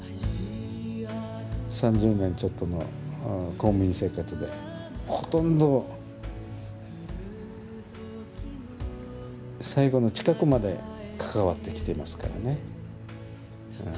３０年ちょっとの公務員生活でほとんど最後の近くまで関わってきてますからね。